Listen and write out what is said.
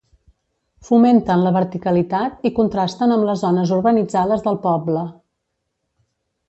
Fomenten la verticalitat i contrasten amb les zones urbanitzades del poble.